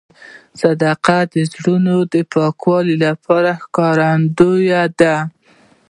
صداقت د زړه د پاکوالي ښکارندوی دی.